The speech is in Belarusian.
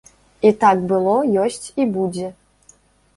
І так было, ёсць і будзе.